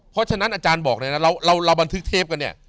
เพราะฉะนั้นอาจารย์บอกเลยนะเราบันทึกเทปกันเนี่ย